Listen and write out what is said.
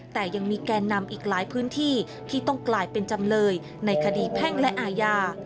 แต่ยังมีแกนนำอีกหลายพื้นที่ที่ต้องกลายเป็นจำเลยในคดีแพ่งและอาญา